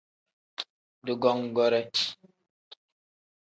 Dugongoore.